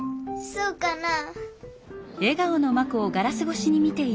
そうかな？